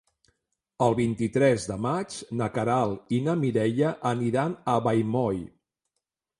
El vint-i-tres de maig na Queralt i na Mireia aniran a Vallmoll.